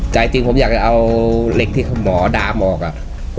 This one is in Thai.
ใจจริงผมอยากจะเอาเหล็กที่หมอดาหมอกอ่ะ